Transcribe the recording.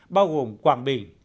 bao gồm quảng bình